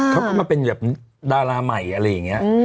เขาก็มาเป็นแบบดาราใหม่อะไรอย่างนี้